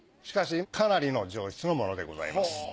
しかしかなりの上質のものでございます。